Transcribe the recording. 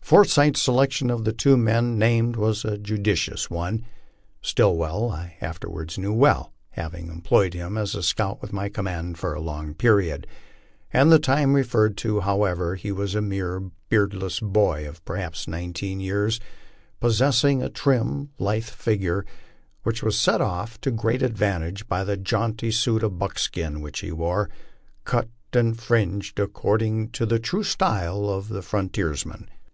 Forsyth's selection of the two men named was a judicious one. Stillwell I afterwards knew well, having employed him as scout with my command for a long period. At the time referred to, however, he was a mere beardless boy of perhaps nineteen years, possessing a trim, lithe figure, which was set off to great advantage by the jaunty suit of buckskin which he wore, cut and fringed according to the LIFE ON THE PLAINS. 9C true style of. the fi ontiersman.